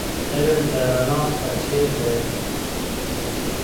علم د رڼا په څېر دی.